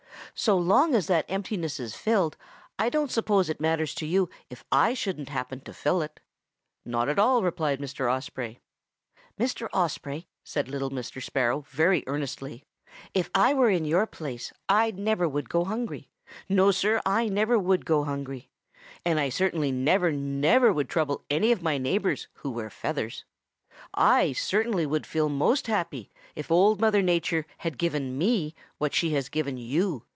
So long as that emptiness is filled, I don't suppose it matters to you if I shouldn't happen to fill it.' "'Not at all,' replied Mr. Osprey. "'Mr. Osprey,' said little Mr. Sparrow very earnestly, 'if I were in your place, I never would go hungry. No, Sir, I never would go hungry. And I certainly never, never would trouble any of my neighbors who wear feathers. I certainly would feel most happy if Old Mother Nature had given me what she has given you.